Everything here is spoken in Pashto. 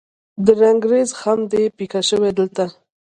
د رنګریز خم دې پیکه شوی دلته